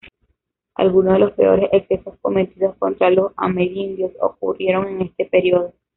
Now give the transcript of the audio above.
Algunos de los peores excesos cometidos contra los amerindios ocurrieron en este período.